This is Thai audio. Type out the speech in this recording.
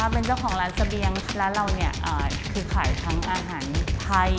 เป็นเจ้าของร้านเสบียงร้านเราคือขายทั้งอาหารไทย